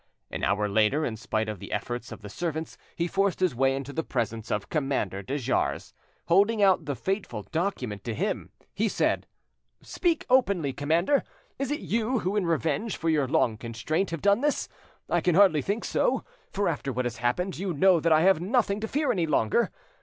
An hour later, in spite of the efforts of the servants, he forced his way into the presence of Commander de Jars. Holding out the fateful document to him, he said: "Speak openly, commander! Is it you who in revenge for your long constraint have done this? I can hardly think so, for after what has happened you know that I have nothing to fear any longer.